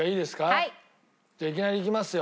じゃあいきなりいきますよ。